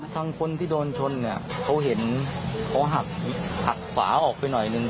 คนที่โดนชนเนี่ยเขาเห็นเขาหักขวาออกไปหน่อยหนึ่ง